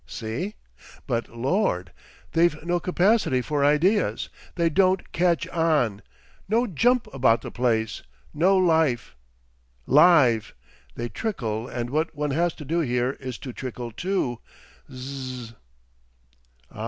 See? But Lord! they've no capacity for ideas, they don't catch on; no Jump about the place, no Life. Live!—they trickle, and what one has to do here is to trickle too—Zzzz."